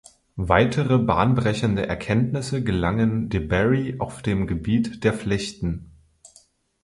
Weitere bahnbrechende Erkenntnisse gelangen de Bary auf dem Gebiet der Flechten.